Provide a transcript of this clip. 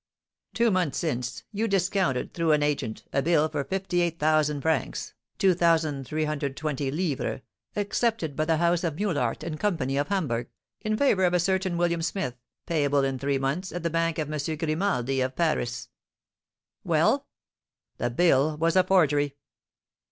"Two months since, you discounted, through an agent, a bill for fifty eight thousand francs (2,320_l._), accepted by the house of Meulaert & Company, of Hamburg, in favour of a certain William Smith, payable in three months, at the bank of M. Grimaldi, of Paris." "Well?" "That bill was a forgery."